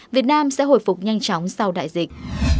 việt nam sẽ hồi phục nhanh chóng sau đại dịch